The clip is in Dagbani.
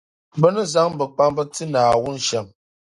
Bɛ ni zaŋ bikpamba ti Naawuni shɛm.